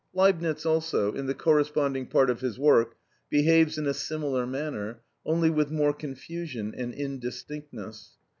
Leibnitz also, in the corresponding part of his work, behaves in a similar manner, only with more confusion and indistinctness.